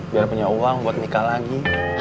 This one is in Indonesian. biar punya uang buat nikah lagi